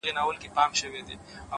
• ډلي وینم د مرغیو پورته کیږي,